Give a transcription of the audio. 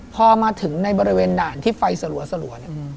พอมาถึงในบริเวณด่านที่ไฟสะลัว